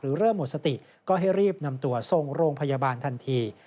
เริ่มหมดสติก็ให้รีบนำตัวส่งโรงพยาบาลทันที